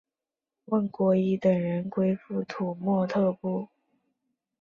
翁郭依等人归附土默特部。